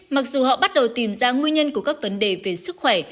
mặc dù họ bắt đầu tìm ra nguyên nhân của các vấn đề về sức khỏe